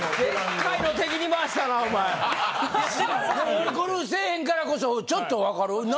俺ゴルフせえへんからこそちょっと分かるな。